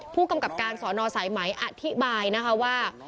ผู้กำกับการสอนอสายไหมอธิบายนะคะว่า